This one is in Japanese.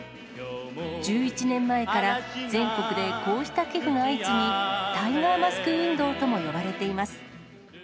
１１年前から全国でこうした寄付が相次ぎ、タイガーマスク運動とも呼ばれています。